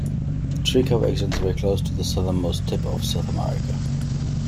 Tree cover extends very close to the southernmost tip of South America.